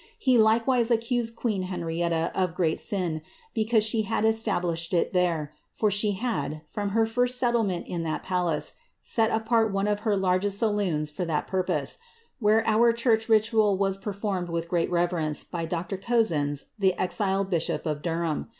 He likewise accused queen Henrietta of great sin, because ie had established it there^ for she had, from her first settlement in that ilace, set apart one of her largest saloons for that purpose, where our hnrch ritual was performed with great reverence by Dr. Cosins, the died bishop of Durham.